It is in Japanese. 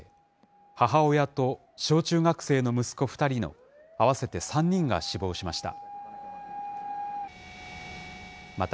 母親と小中学生の息子２人の合わせて３人が死亡しました。